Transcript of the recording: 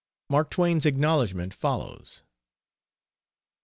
Mark Twain's acknowledgment follows.